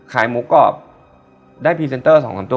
ขายมุกก็ได้พรีเซ็นเตอร์๒๓ตัว